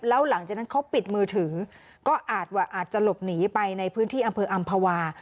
แล้วหลังจากนั้นเขาปิดมือถือก็อาจว่าอาจจะหลบหนีไปในพื้นที่อำเภออำภาวา